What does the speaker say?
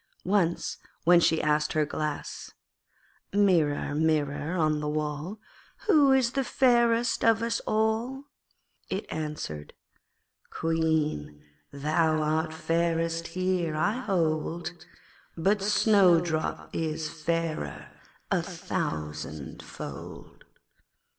Once, when she asked her Glass, 'Mirror, Mirror on the wall, Who is fairest of us all?' it answered 'Queen, thou art fairest here, I hold, But Snowdrop is fairer a thousandfold.'